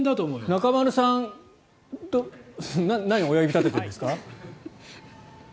中丸さん何、親指立ててるんですか？